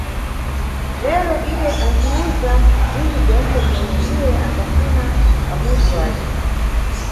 Lero, iye antiwuza bzinthu bzentse bzomwe iye ambafuna pamudzi wace.